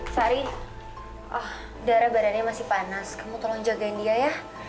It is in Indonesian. sari oh darah badannya masih panas kamu tolong jagain dia ya